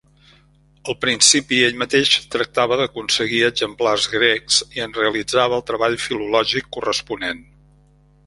Al principi ell mateix tractava d'aconseguir exemplars grecs i en realitzava el treball filològic corresponent.